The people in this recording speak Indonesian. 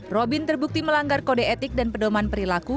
robin terbukti melanggar kode etik dan pedoman perilaku